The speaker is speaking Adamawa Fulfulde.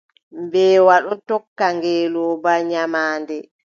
Mbeewa ɗon tokka ngeelooba nyamaande.